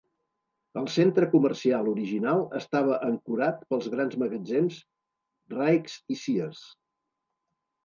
El centre comercial original estava ancorat pels grans magatzems Rike's i Sears.